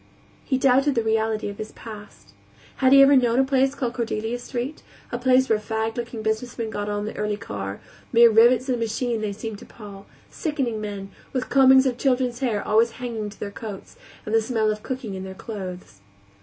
He doubted the reality of his past. Had he ever known a place called Cordelia Street, a place where fagged looking businessmen got on the early car; mere rivets in a machine they seemed to Paul, sickening men, with combings of children's hair always hanging to their coats, and the smell of cooking in their clothes.